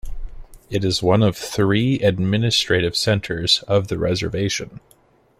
It is one of three administrative centers of the reservation.